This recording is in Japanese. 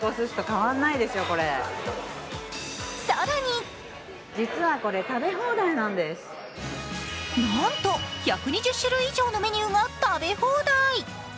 更になんと１２０種類以上のメニューが食べ放題。